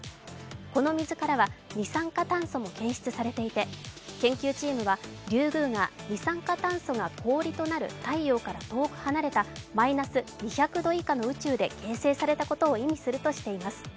この水からは二酸化炭素も検出されていて研究チームはリュウグウが二酸化炭素が氷となる太陽から遠く離れたマイナス２００度以下の宇宙で形成されたことを意味するとしています。